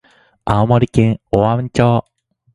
青森県大鰐町